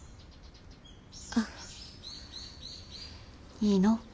いいの？